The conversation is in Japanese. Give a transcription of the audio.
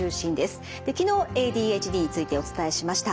で昨日ＡＤＨＤについてお伝えしました。